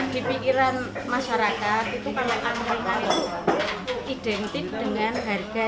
di pikiran masyarakat itu kalau angkringan itu identik dengan harga